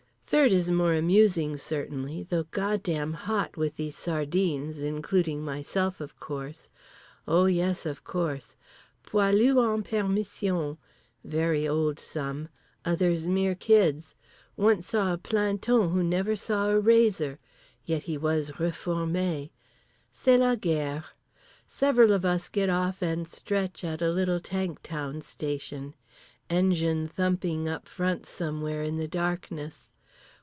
Third is more amusing certainly, though god damn hot with these sardines, including myself of course. O yes of course. Poilus en permission. Very old some. Others mere kids. Once saw a planton who never saw a razor. Yet he was réformé. C'est la guerre. Several of us get off and stretch at a little tank town station. Engine thumping up front somewhere in the darkness.